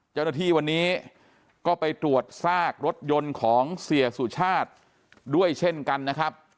เจ้าหน้าที่วันนี้ก็ไปตรวจซากรถยนต์ของเสียสุชาติด้วยเช่นกันนะครับ